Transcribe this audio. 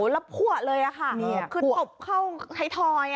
แล้วผัวเลยค่ะคือตบเข้าไทยทอย